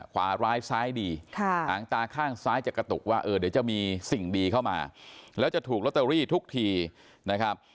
ขวาร้ายซ้ายดีหางตาข้างซ้ายจะกระตุกว่าเดี๋ยวจะมีสิ่งดีเข้ามาแล้วจะถูกลอตเตอรี่ทุกทีนะครับ